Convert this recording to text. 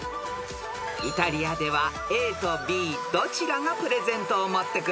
［イタリアではＡとＢどちらがプレゼントを持ってくる？］